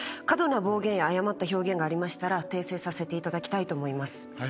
過度な暴言や誤った表現がありましたら訂正させていただきたいと思います。